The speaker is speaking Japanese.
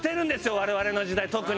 我々の時代特に。